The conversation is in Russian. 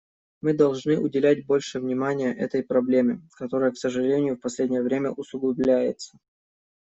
Мы должны уделять больше внимания этой проблеме, которая, к сожалению, в последнее время усугубляется.